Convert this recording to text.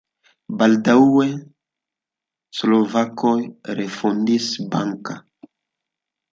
Baldaŭe slovakoj refondis Banka.